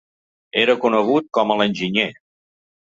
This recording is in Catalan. Era conegut com a ‘l’enginyer’.